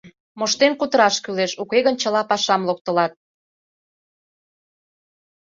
Моштен кутыраш кӱлеш, уке гын чыла пашам локтылат.